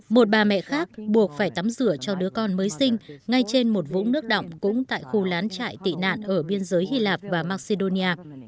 một bà mẹ khác buộc phải tắm rửa cho đứa con mới sinh ngay trên một vũ nước động cũng tại khu lán trại tị nạn ở biên giới hy lạp và macedonia